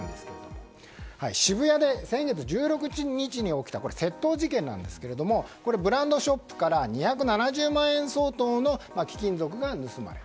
渋谷で先月１６日に起きた窃盗事件ですがブランドショップから２７０万円相当の貴金属が盗まれた。